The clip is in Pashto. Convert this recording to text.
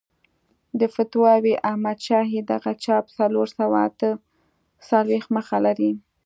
د فتاوی احمدشاهي دغه چاپ څلور سوه اته څلوېښت مخه لري.